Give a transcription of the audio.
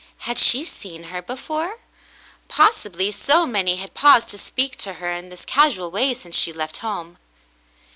Had she seen her before ? Possibly, so many had paused to speak to her in this casual way since she left home.